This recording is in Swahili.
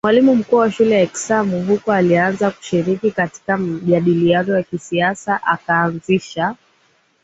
mwalimu mkuu wa shule ya Axim Huko alianza kushiriki katika majadiliano ya kisiasa akaanzisha